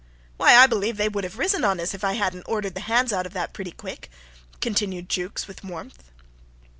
"Why, I believe they would have risen on us if I hadn't ordered the hands out of that pretty quick," continued Jukes with warmth.